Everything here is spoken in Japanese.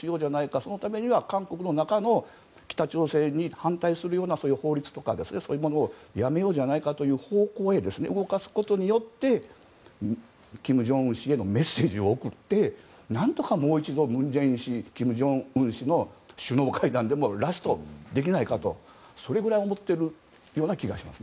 そのためには韓国の中の北朝鮮に反対するようなそういう法律とかをやめようという方向へ動かすことで金正恩氏へのメッセージを送って何とかもう一度文在寅氏、金正恩氏の会談をラストできないかと思っているような気がします。